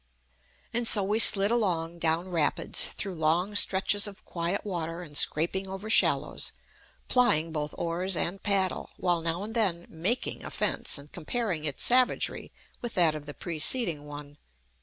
And so we slid along, down rapids, through long stretches of quiet water and scraping over shallows, plying both oars and paddle, while now and then "making" a fence and comparing its savagery with that of the preceding one.